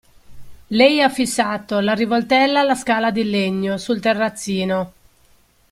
Lei ha fissato la rivoltella alla scala di legno, sul terrazzino.